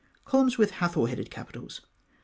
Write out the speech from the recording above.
Columns with Hathor head Capitals.